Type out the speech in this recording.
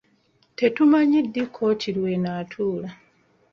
Tetumanyi ddi kkooti lw'enaatuula.